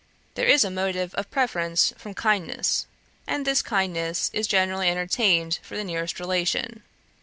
There is a motive of preference from kindness, and this kindness is generally entertained for the nearest relation.